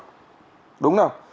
đúng không nào